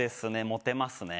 モテますね。